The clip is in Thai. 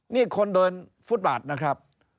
นี่คนเดินฟุตบาทนะครับ